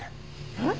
えっ！？